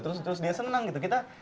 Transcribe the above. terus dia senang gitu